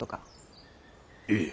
ええ。